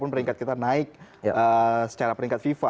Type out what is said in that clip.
peringkat kita naik secara peringkat fifa